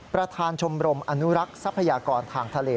ประธานชมรมอนุรักษ์ทรัพยากรทางทะเล